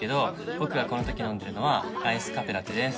僕がこのとき飲んでるのはアイスカフェラテです